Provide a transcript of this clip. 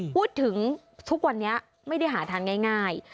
พูดถึงทุกวันนี้ไม่ได้หาทานง่าย